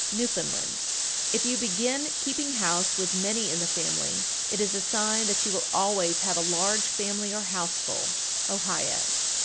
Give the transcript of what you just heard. Newfoundland. 1449. If you begin keeping house with many in the family, it is a sign that you will always have a large family or houseful. _Ohio.